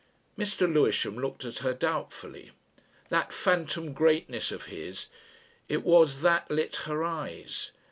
Mr. Lewisham looked at her doubtfully. That phantom greatness of his, it was that lit her eyes.